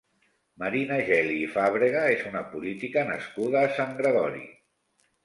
Marina Geli i Fàbrega és una política nascuda a Sant Gregori.